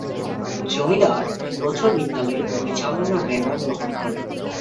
জমিদার দুই বছর বিদ্যালয়ের পরিচালনার ব্যয়ভার বহন করেন।